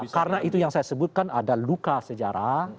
karena itu yang saya sebutkan ada luka sejarah